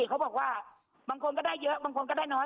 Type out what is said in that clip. เขาบอกว่าบางคนก็ได้เยอะบางคนก็ได้น้อย